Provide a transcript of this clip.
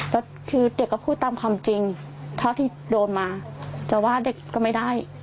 แล้วคือเด็กก็พูดตามความจริงเท่าที่โดนมาจะว่าเด็กก็ไม่ได้